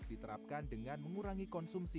diterapkan dengan mengurangi konsumsi